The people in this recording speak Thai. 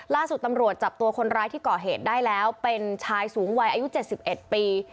ล่าสุดตำรวจจับตัวคนร้ายที่ก่อเหตุได้แล้วเป็นชายสูงวัยอายุ๗๑ปี